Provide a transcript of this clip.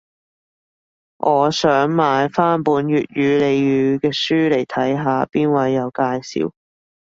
我想買返本粵語俚語嘅書嚟睇下，邊位有介紹